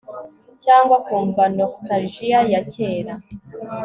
cyangwa ukumva nostalgia ya kera